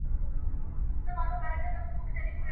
غر که هر څومره وي لوړ پر سر یې لار سته !.